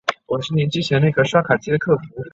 为兄弟四人中长子。